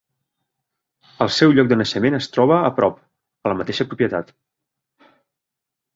El seu lloc de naixement es troba a prop, a la mateixa propietat.